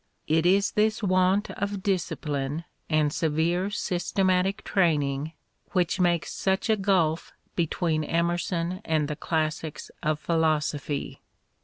It is this want of discipline and severe systematic training which makes such a gulf between Emerson and the classics of Philosophy.